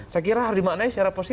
saya kira harus dimaknai secara positif